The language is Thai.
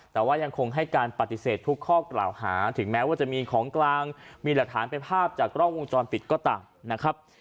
แต่ว่ายังคงให้การปฏิเสธทุกข้อกล่าวหาถึงแม้ว่าจะมีของกลางมีหลักฐานเป็นภาพจากกล้องวงจรปิดก็ตามนะครับ